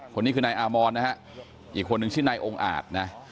คนนี้คือนายอามอนนะฮะอีกคนนึงชื่อนายองค์อาจนะ